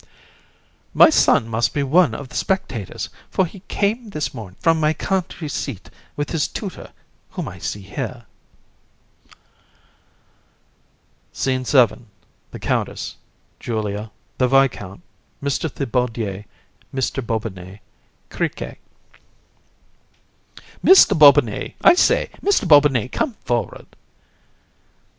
COUN. My son the Count must be one of the spectators, for he came this morning from my country seat, with his tutor, whom I see here. SCENE XVII. THE COUNTESS, JULIA, THE VISCOUNT, MR. THIBAUDIER, MR. BOBINET, CRIQUET. COUN. Mr. Bobinet, I say, Mr. Bobinet, come forward.